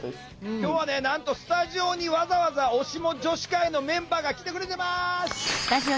今日はねなんとスタジオにわざわざおシモ女子会のメンバーが来てくれてます！